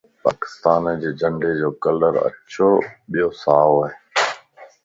پاڪستان جي جنڊي جو ڪلر اڇو ٻيو سائو ا